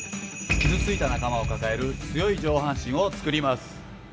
傷ついた仲間を抱える強い上半身を作ります。